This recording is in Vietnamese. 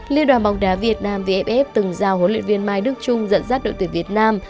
liên đoàn bóng đá việt nam vff từng giao huấn luyện viên mai đức trung dẫn dắt đội tuyển việt nam